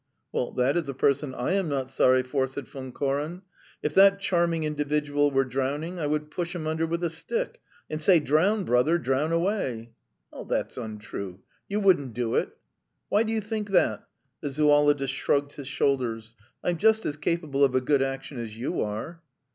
"Well, that is a person I am not sorry for," said Von Koren. "If that charming individual were drowning, I would push him under with a stick and say, 'Drown, brother, drown away.' ..." "That's untrue. You wouldn't do it." "Why do you think that?" The zoologist shrugged his shoulders. "I'm just as capable of a good action as you are."